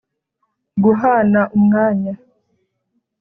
guhana umwanya: